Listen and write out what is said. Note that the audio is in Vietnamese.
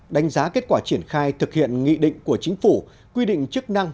đánh giá kết quả triển khai thực hiện nghị định của chính phủ quy định chức năng